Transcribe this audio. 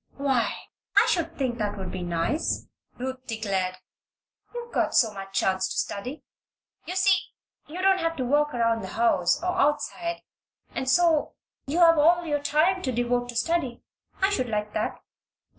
"Why, I should think that would be nice," Ruth declared. "You've got so much chance to study. You see, you don't have to work around the house, or outside, and so you have all your time to devote to study. I should like that."